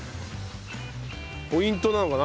ポイントなのかな？